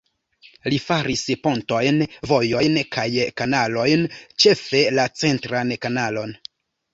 Li faris pontojn, vojojn kaj kanalojn, ĉefe la centran kanalon.